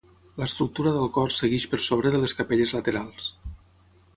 L'estructura del cor segueix per sobre de les capelles laterals.